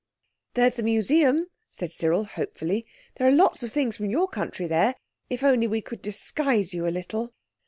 "There's the Museum," said Cyril hopefully; "there are lots of things from your country there. If only we could disguise you a little."